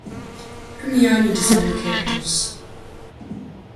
Premiani designed the characters.